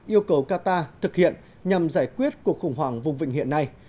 yêu cầu qatar thực hiện nhằm giải quyết cuộc khủng hoảng vùng vịnh hiện nay